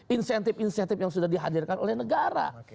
insentif insentif yang sudah dihadirkan oleh negara